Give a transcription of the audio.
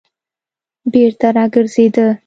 بېرته راگرځېده.